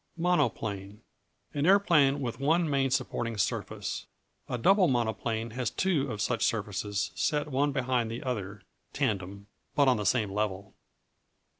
Monoplane An aeroplane with one main supporting surface. A Double Monoplane has two of such surfaces set one behind the other (tandem) but on the same level.